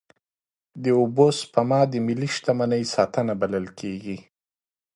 د اوبو سپما د ملي شتمنۍ ساتنه بلل کېږي.